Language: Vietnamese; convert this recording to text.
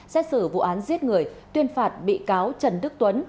xét xử vụ án giết người tuyên phạt bị cáo trần đức tuấn